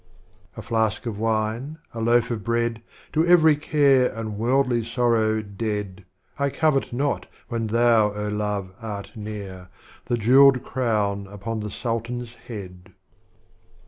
A Flask of Wine, a Loaf of Bread, To every Care and Worldly Sorrow dead, I covet not, when thou, oh Love, art near. The Jeweled Crown upon the Sultan's Head.